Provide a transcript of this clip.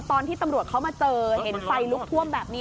ตอนที่ตำรวจเขามาเจอเห็นไฟลุกท่วมแบบนี้